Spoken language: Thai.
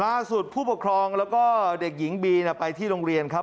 ผู้ปกครองแล้วก็เด็กหญิงบีไปที่โรงเรียนครับ